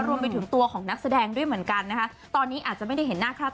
รวมไปถึงตัวของนักแสดงด้วยเหมือนกันนะคะตอนนี้อาจจะไม่ได้เห็นหน้าค่าตา